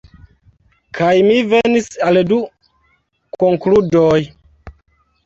Kaj mi venis al du konkludoj.